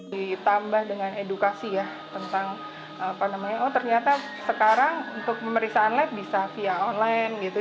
ditambah dengan edukasi ya tentang apa namanya oh ternyata sekarang untuk pemeriksaan lab bisa via online gitu